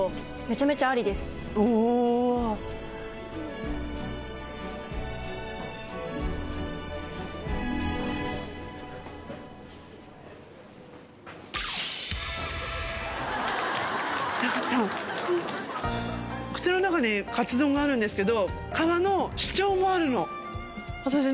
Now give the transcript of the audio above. かちゃん口の中にカツ丼があるんですけど皮の主張もあるの私ね